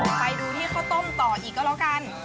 ไปดูที่ข้าวต้มต่ออีกก็แล้วกัน